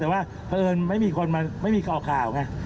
แต่ว่าเพราะเอิญไม่มีคนมาไม่มีข่าวไง